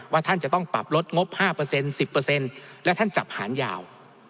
ว่าท่านจะต้องปรับลดงบห้าเปอร์เซ็นต์สิบเปอร์เซ็นต์แล้วท่านจับหาญาว